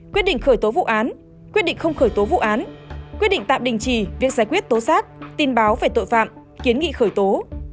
quyết định khởi tố vụ án quyết định không khởi tố vụ án quyết định tạm đình chỉ việc giải quyết tố giác tin báo về tội phạm kiến nghị khởi tố